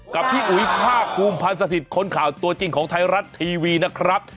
กับพี่อุ๋ยภาคภูมิพันธ์สถิตย์คนข่าวตัวจริงของไทยรัฐทีวีนะครับ